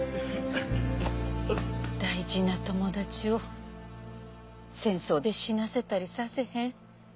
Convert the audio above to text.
大事な友達を戦争で死なせたりさせへん。